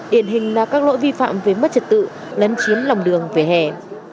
điển hình là các lỗi vi phạm về mất trật tự lấn chiếm lòng đường về hè